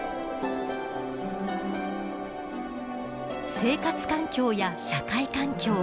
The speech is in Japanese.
生活環境や社会環境